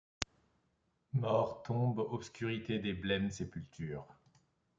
Mort, tombe, obscurité des blêmes sépultures